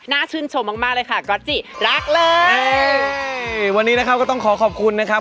ชื่นชมมากมากเลยค่ะก๊อตจิรักเลยนี่วันนี้นะครับก็ต้องขอขอบคุณนะครับ